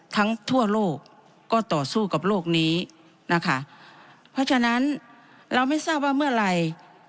ทั่วโลกก็ต่อสู้กับโลกนี้นะคะเพราะฉะนั้นเราไม่ทราบว่าเมื่อไหร่